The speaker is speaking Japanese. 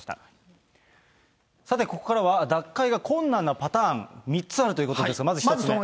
さて、ここからは脱会が困難なパターン、３つあるということですが、まず１つ目。